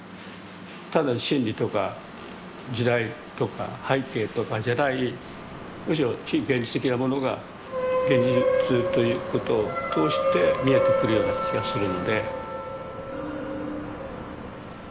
単なる心理とか時代とか背景とかじゃないむしろ非現実的なものが現実ということを通して視えてくるような気がするので。